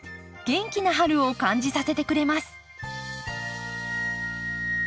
元気な春を感じさせてくれます。